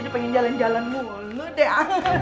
dia pengen jalan jalan mulu deh